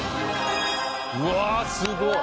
うわすごっ。